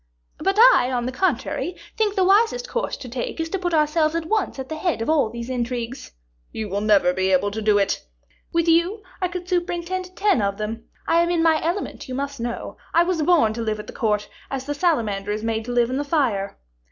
"But I, on the contrary, think the wisest course to take is to put ourselves at once at the head of all these intrigues." "You will never be able to do it." "With you, I could superintend ten of them. I am in my element, you must know. I was born to live at the court, as the salamander is made to live in the fire."